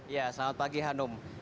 ya selamat pagi hanum